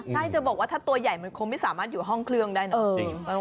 ใช่จะบอกว่าถ้าตัวใหญ่มันคงไม่สามารถอยู่ห้องเครื่องได้นะจริง